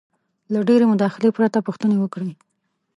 -له ډېرې مداخلې پرته پوښتنې وکړئ: